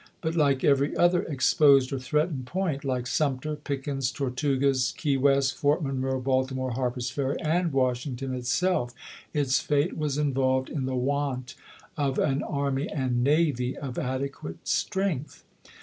But, like every other exposed or threatened point, — like Sumter, Pickens, Tortugas, Key West, Fort Monroe, Baltimore, Harper's Ferry, and Washing ton itself, — its fate was involved in the want of an army and navy of adequate strength.